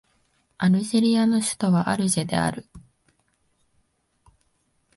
アルジェリアの首都はアルジェである